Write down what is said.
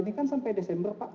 ini kan sampai desember pak